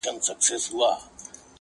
په بازيو کي بنگړي ماتېږي.